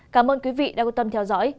cảm ơn quý vị đã quan tâm theo dõi